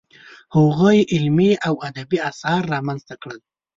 هغوی علمي او ادبي اثار رامنځته کړل.